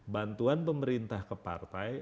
bantuan pemerintah ke partai